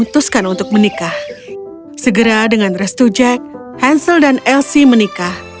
dia mencintai dia